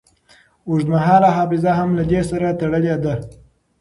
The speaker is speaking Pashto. اوږدمهاله حافظه هم له دې سره تړلې ده.